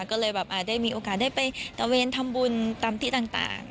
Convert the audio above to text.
ก็เลยแบบได้มีโอกาสได้ไปตะเวนทำบุญตามที่ต่าง